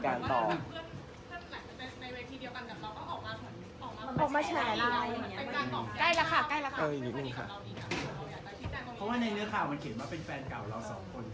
เพราะว่าในเนื้อข่าวมันเขียนว่าเป็นแฟนเก่าเราสองคน